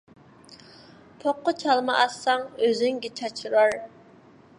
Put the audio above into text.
پوققا چالما ئاتساڭ، ئۆزۈڭگە چاچرار.